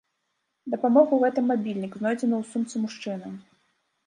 Дапамог у гэтым мабільнік, знойдзены ў сумцы мужчыны.